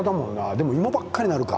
でも芋ばっかりになるか。